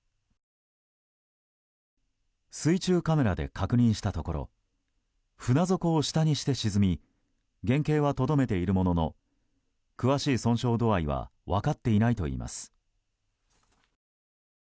水中カメラで確認したところ船底を下にして沈み原形はとどめているものの詳しい損傷度合いは分かっていないといいます。